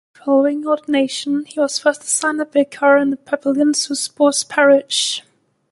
Following ordination, he was first assigned as a vicar in the Pavillons-sous-Bois parish.